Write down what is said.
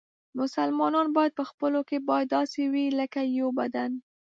مسلمانان باید په خپلو کې باید داسې وي لکه یو بدن.